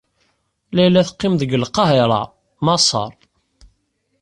Layla teqqim deg Lqahiṛa, Maṣer.